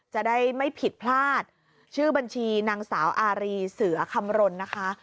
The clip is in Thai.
จะได้ไม่ผิดพลาดชื่อบัญชีนางสาวอารีเสือคำรณนะคะ